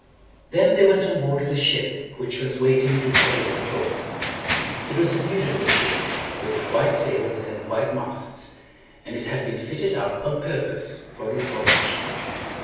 Then they went on board of the ship which was waiting to carry them home. It was a beau ti ful ship with white sails and white masts, and it had been fitted up on purpose for this voyage.